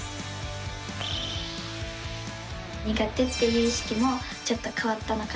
苦手っていう意識もちょっと変わったのかなと。